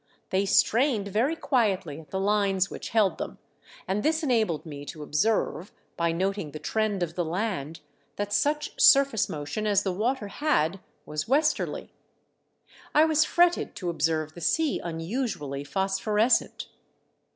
They strained very quietly at the lines which held them, and this enabled me to observe, by noting the trend of the land, that such surface motion as the water had was westerly. I was fretted to observe the sea unusually phosphorescent.